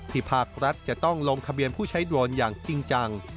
ภาครัฐจะต้องลงทะเบียนผู้ใช้โดรนอย่างจริงจัง